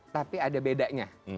tapi ada bedanya